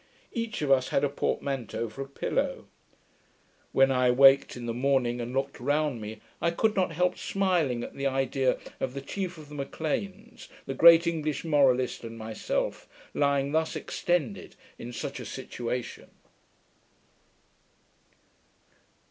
Each of us had a portmanteau for a pillow. When I awaked in the morning, and looked round me, I could not help smiling at the idea of the Chief of the M'Leans, the great English moralist, and myself, lying thus extended in such a situation.